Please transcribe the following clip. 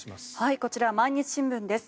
こちら毎日新聞です。